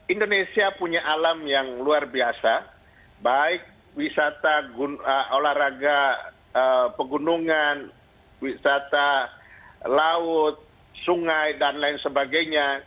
indonesia punya alam yang luar biasa baik wisata olahraga pegunungan wisata laut sungai dan lain sebagainya